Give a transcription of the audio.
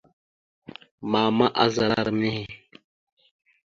Mama azala ram nehe.